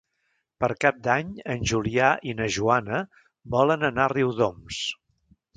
Per Cap d'Any en Julià i na Joana volen anar a Riudoms.